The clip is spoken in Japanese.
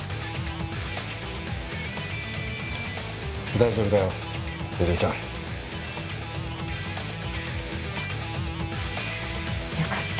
大丈夫だよゆりえちゃん。よかった。